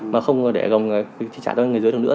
mà không để trả cho người dưới được nữa